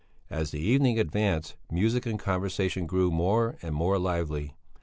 As the evening advanced music and conversation grew more and more lively.